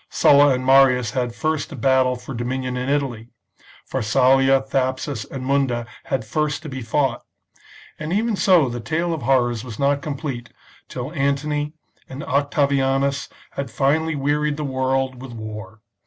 Sulla and Marius had first to battle for dominion in Italy ; Pharsalia, Thapsus, and Munda had first to be fought ; and ^ven so the tale of horrors was not complete till Antony and Octavi anus had finally wearied the world with war.